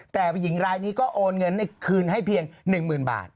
แต่ผู้หญิงรายนี้ก็โอนเงินคืนให้เพียง๑๐๐๐บาท